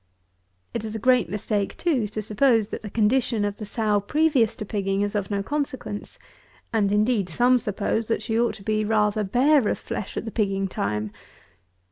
It is a great mistake, too, to suppose that the condition of the sow previous to pigging is of no consequence; and, indeed, some suppose, that she ought to be rather bare of flesh at the pigging time.